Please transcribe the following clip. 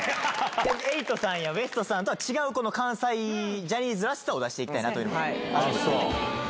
エイトさんやウエストさんとは違うこの関西ジャニーズらしさを出していきたいなというふうに。